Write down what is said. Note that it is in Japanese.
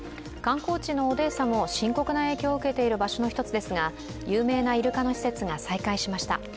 観光地のオデーサも深刻な影響を受けている場所の一つですが、有名なイルカの施設が再開しました。